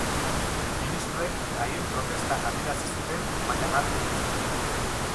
Ministroek haien protesta adierazi zuten baina alde egin zuten.